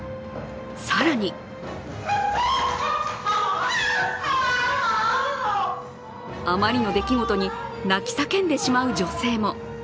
更にあまりの出来事に泣き叫んでしまう女性も。